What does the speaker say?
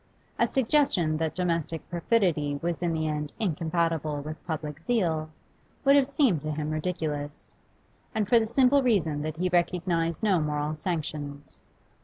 A suggestion that domestic perfidy was in the end incompatible with public zeal would have seemed to him ridiculous, and for the simple reason that he recognised no 'moral sanctions.